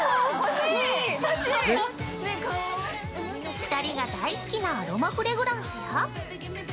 ◆２人が大好きなアロマフレグランスや。